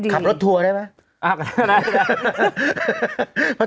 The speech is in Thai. ขับรถทัวร์ได้ไหม